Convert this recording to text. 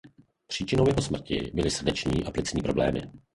Příčinou jeho smrti byly srdeční a plicní problémy.